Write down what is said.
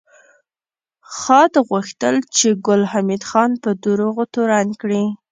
خاد غوښتل چې ګل حمید خان په دروغو تورن کړي